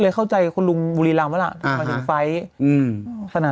เลยเข้าใจคุณลุงบุรีรัมป์ว่าล่ะอ่ามาถึงไฟล์อืมสนับ